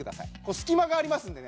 隙間がありますんでね